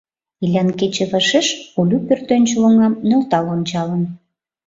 Илян кече вашеш Улю пӧртӧнчыл оҥам нӧлтал ончалын.